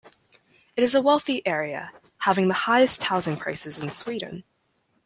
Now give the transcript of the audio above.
It is a wealthy area, having the highest housing prices in Sweden.